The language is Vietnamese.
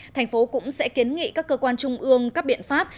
thành phố cũng sẽ kiến nghị các cơ quan trung ương các biện pháp